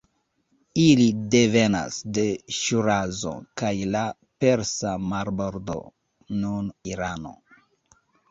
Ili devenas de Ŝirazo kaj la persa marbordo (nun Irano).